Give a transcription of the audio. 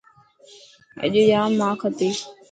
اڄ ڄام ماک هتي.